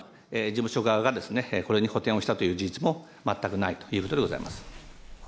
事務所側が、これに補填をしたという事実も全くないということでございます。